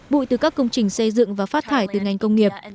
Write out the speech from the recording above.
bụi từ các công trình xây dựng và phát thải từ ngành công nghiệp